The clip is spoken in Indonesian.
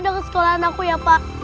dan ke sekolah anakku ya pak